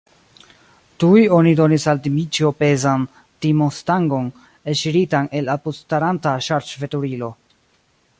Tuj oni donis al Dmiĉjo pezan timonstangon, elŝiritan el apudstaranta ŝarĝveturilo.